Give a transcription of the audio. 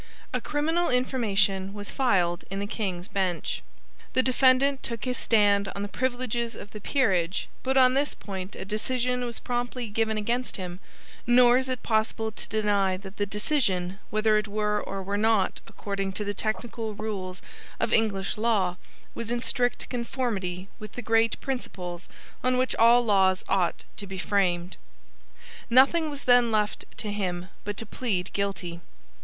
A criminal information was filed in the King's Bench. The defendant took his stand on the privileges of the peerage but on this point a decision was promptly given against him nor is it possible to deny that the decision, whether it were or were not according to the technical rules of English law, was in strict conformity with the great principles on which all laws ought to be framed. Nothing was then left to him but to plead guilty.